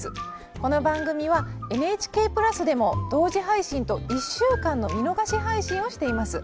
この番組はＮＨＫプラスでも同時配信と１週間の見逃し配信をしています。